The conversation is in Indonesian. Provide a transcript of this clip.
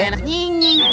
nanti di atas nyinying